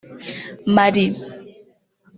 Mali